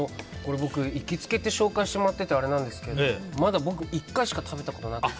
僕、行きつけって紹介してもらってて申し訳ないんですがまだ僕、１回しか食べたことがなくて。